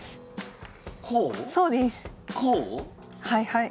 はい。